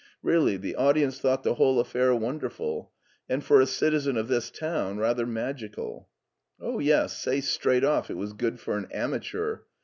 ''Really, the audience thought the whole affair Wonderful, and, for a citizen of this town, rather magical." " Oh, yes, say straight off it was good for an ama teur!"